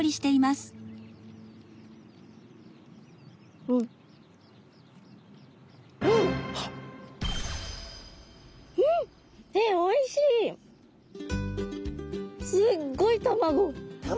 すっごい卵。